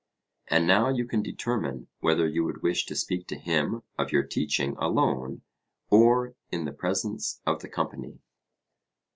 And now you can determine whether you would wish to speak to him of your teaching alone or in the presence of the company.